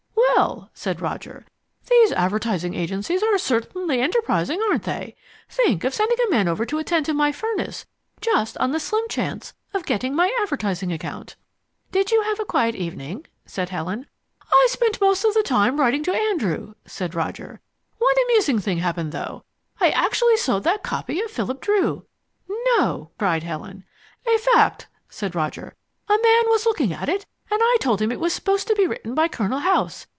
"Well," said Roger, "these advertising agencies are certainly enterprising, aren't they? Think of sending a man over to attend to my furnace, just on the slim chance of getting my advertising account." "Did you have a quiet evening?" said Helen. "I spent most of the time writing to Andrew," said Roger. "One amusing thing happened, though. I actually sold that copy of Philip Dru." "No!" cried Helen. "A fact," said Roger. "A man was looking at it, and I told him it was supposed to be written by Colonel House.